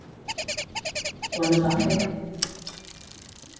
Quan ho va fer?